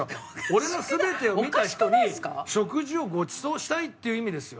俺の全てを見た人に食事をごちそうしたいっていう意味ですよ。